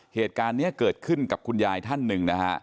เหตุการณ์นี้เกิดขึ้นกับคุณยายท่านหนึ่งนะฮะ